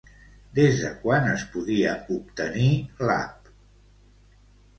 Des de quan es podia obtenir l'app?